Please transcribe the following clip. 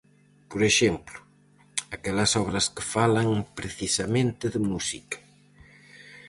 Por exemplo, aquelas obras que falan precisamente de música.